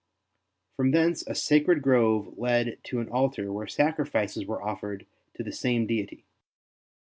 From thence a sacred grove led to an altar where sacrifices were offered to the same deity.